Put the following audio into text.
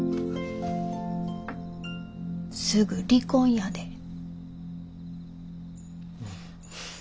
すぐ離婚やで。